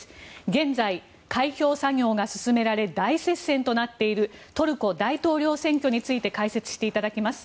現在、開票作業が進められ大接戦となっているトルコ大統領選挙について解説していただきます。